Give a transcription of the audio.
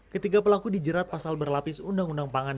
ketika pelaku dijerat pasal berlapis undang undang panganan